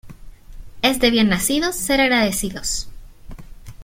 Es de bien nacidos ser agradecidos.